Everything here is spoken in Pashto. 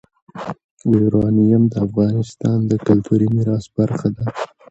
یورانیم د افغانستان د کلتوري میراث برخه ده.